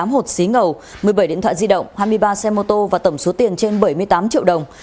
tám hột xí ngầu một mươi bảy điện thoại di động hai mươi ba xe mô tô và tổng số tiền trên bảy mươi tám triệu đồng